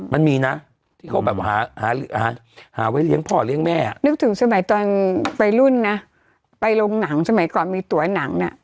มันมีนะที่เขาแบบหาไว้เลี้ยงพ่อเลี้ยงแม่นึกถึงสมัยตอนวัยรุ่นนะไปโรงหนังสมัยก่อนมีตัวหนังน่ะ